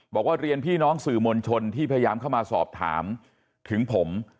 บอกว่าเรียนพี่น้องสื่อมวลชนที่พยายามเข้ามาสอบถามถึงผม